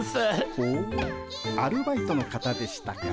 ほうアルバイトの方でしたか。